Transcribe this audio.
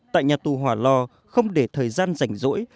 tại nhà tù hỏa lò không để thời gian rảnh rỗi